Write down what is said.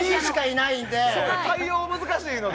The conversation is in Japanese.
対応が難しいので。